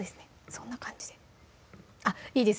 そんな感じであっいいです